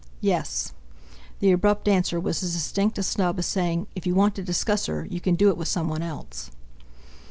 "Yes." The abrupt answer was as distinct a snub as saying: "If you want to discuss her you can do it with someone else!"